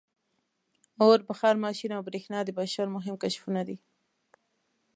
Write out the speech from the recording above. • اور، بخار ماشین او برېښنا د بشر مهم کشفونه دي.